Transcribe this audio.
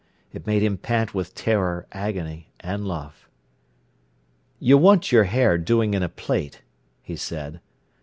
It made him pant with terror, agony, and love. "You want your hair doing in a plait," he said.